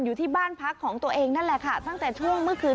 อยู่ที่บ้านพักของตัวเองทั้งแต่ช่วงเมื่อคืน